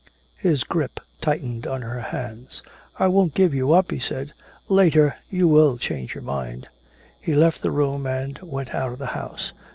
His grip tightened on her hands. "I won't give you up," he said. "Later you will change your mind." He left the room and went out of the house.